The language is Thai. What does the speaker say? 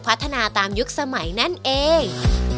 พัฒนาตามยุคสมัยนั่นเอง